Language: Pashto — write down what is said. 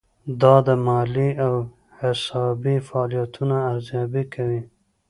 دا د مالي او حسابي فعالیتونو ارزیابي کوي.